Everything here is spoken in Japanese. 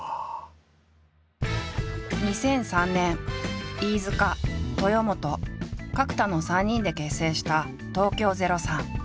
２００３年飯塚豊本角田の３人で結成した東京０３。